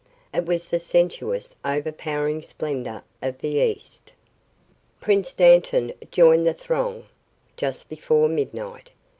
It was the sensuous, overpowering splendor of the east. Prince Dantan joined the throng just before midnight.